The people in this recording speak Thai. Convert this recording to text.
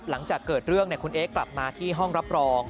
หลังจากเกิดเรื่องคุณเอ๊กลับมาที่ห้องรับรอง